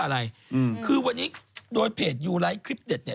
น้องบอลไทยเนี่ยนะฮะพวกมือบอลเนี่ย